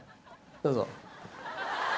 どうぞ。